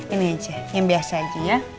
ini aja yang biasa aja